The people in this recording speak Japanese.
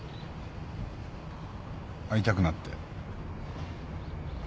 会いたくなって。